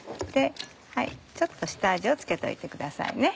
ちょっと下味を付けておいてください。